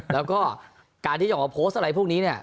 แล้วก็การที่จะออกมาโพสต์อะไรพวกนี้เนี่ย